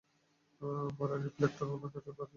মারান, রিফ্লেকটরটা ওনার কাছাকাছি ধরো।